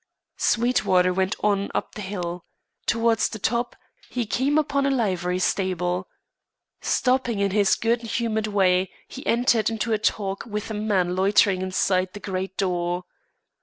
Sweetwater went on up the hill. Towards the top, he came upon a livery stable. Stopping in his good humoured way, he entered into talk with a man loitering inside the great door.